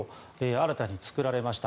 新たに作られました。